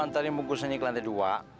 tadi bungkusannya ke lantai dua